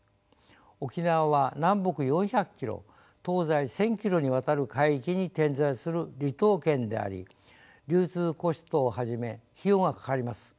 沖縄は南北４００キロ東西１，０００キロにわたる海域に点在する離島県であり流通コストをはじめ費用がかかります。